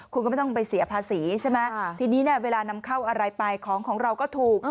คุณก็ไม่ต้องไปเสียภาษีใช่ไหมทีนี้เนี่ยเวลานำเข้าอะไรไปของของเราก็ถูก